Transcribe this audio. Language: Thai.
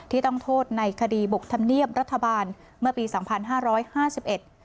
ต้องโทษในคดีบกธรรมเนียบรัฐบาลเมื่อปีสองพันห้าร้อยห้าสิบเอ็ด